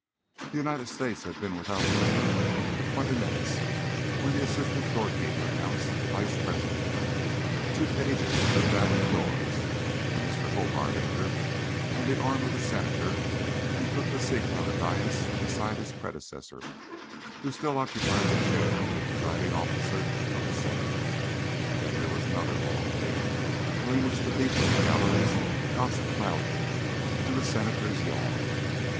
The United States had been without a ruler for twenty minutes when the assistant doorkeeper announced the Vice President, two pages drew back the doors, and Mr. Hobart entered on the arm of a Senator and took the seat on the dais beside his predecessor, who still occupied the chair of the presiding officer of the Senate. Then there was another long wait, during which the people in the galleries gossiped loudly and the Senators yawned.